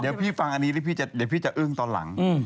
เดี๋ยวพี่ฟังอันนี้เดี๋ยวพี่จะอึ้งตอนหลัง